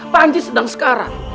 panji sedang sekarang